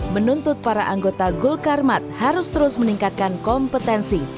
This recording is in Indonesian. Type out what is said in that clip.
menuntut para anggota gul karmat harus terus meningkatkan kompetensi